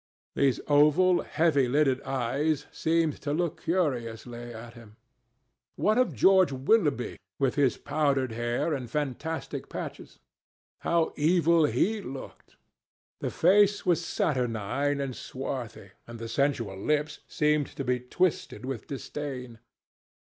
These oval, heavy lidded eyes seemed to look curiously at him. What of George Willoughby, with his powdered hair and fantastic patches? How evil he looked! The face was saturnine and swarthy, and the sensual lips seemed to be twisted with disdain.